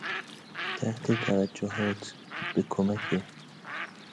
تحت توجهات...، به کمک...